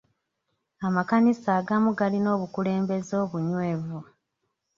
Amakanisa agamu galina obukulembeze obunyweevu.